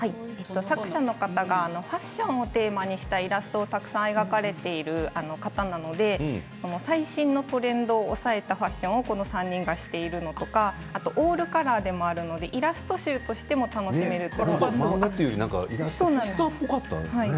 作者の方がファッションをテーマにしたイラストをたくさん描かれている方なので最新のトレンドを押さえたファッションをこの３人がしているのとかあとオールカラーでもあるので漫画というよりイラスト集っぽかったね。